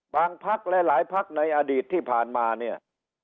พักหลายพักในอดีตที่ผ่านมาเนี่ย